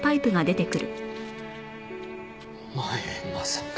お前まさか。